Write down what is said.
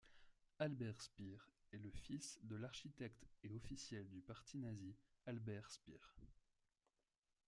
Albert Speer est le fils de l'architecte et officiel du parti nazi Albert Speer.